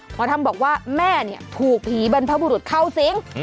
หมอธรรมบอกว่าแม่ถูกผีบรรพบุรุษเข้าสิง